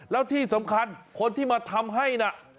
แล้วที่สำคัญคนที่มาทำให้น่ะ